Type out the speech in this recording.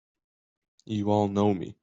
You all know me!